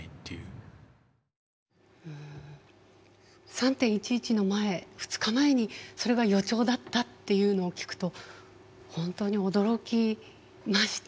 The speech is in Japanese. ３．１１の前２日前にそれが予兆だったっていうのを聞くと本当に驚きました。